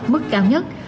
mức cao nhất